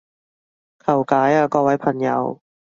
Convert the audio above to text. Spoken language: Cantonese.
求解啊各位朋友